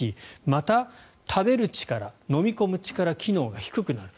また、食べる力飲み込む力、機能が低くなる。